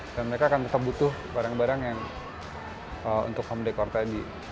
dan mereka akan tetap butuh barang barang yang untuk home decor tadi